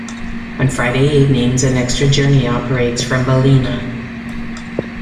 On Friday evenings an extra journey operates from Ballina.